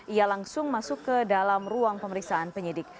ia langsung masuk ke dalam ruang pemeriksaan penyidik